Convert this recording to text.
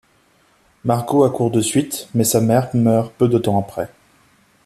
Margot accourt de suite mais sa mère meurt peu de temps après.